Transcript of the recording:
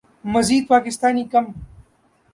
مزید پاکستانی کم